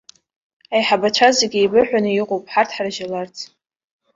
Аиҳабацәа зегьы еибыҳәаны иҟоуп ҳарҭ ҳаржьаларц.